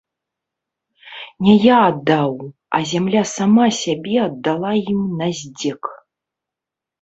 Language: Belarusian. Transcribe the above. Не я аддаў, а зямля сама сябе аддала ім на здзек.